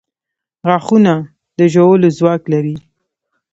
• غاښونه د ژولو ځواک لري.